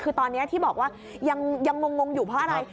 คือตอนนี้ที่บอกว่ายังงงอยู่เพราะอะไร